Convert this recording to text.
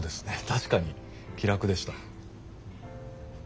確かに気楽でした。